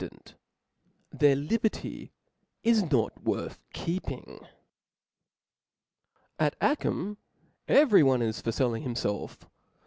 dent 5 their liberty is not worth keeping. At Achim every one is for felling himfelf.